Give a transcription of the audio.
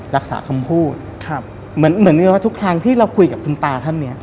รักษาคำพูดครับเหมือนเหมือนกับว่าทุกครั้งที่เราคุยกับคุณตาท่านเนี้ย